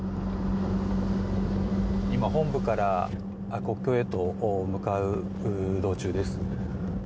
今、本部から国境へと向かう道中です。